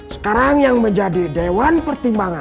sekarang yang menjadi dewan pertimbangan